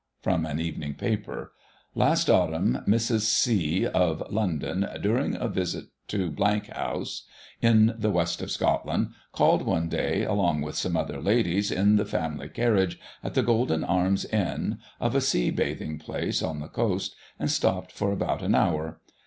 (prom an Evening Paper) — Last autumn, Mrs. C , of London, during a visit to House, in the West of Scotland, called one day, along with some other ladies, in the family carriage, at the Golden Arms Inn, of a sea bathing place on the coast, and stopped for about an hour.